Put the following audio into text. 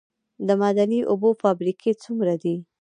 د معدني اوبو فابریکې څومره دي؟